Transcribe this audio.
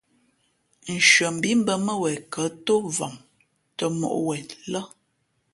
Nshʉαmbhǐ mbᾱ mά wen kα̌ ntōm vam tᾱ mǒʼ wzen lά.